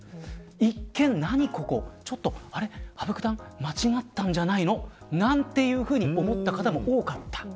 一見、何ここ羽生九段、間違ったんじゃないのなんていうふうに思った方も多かった。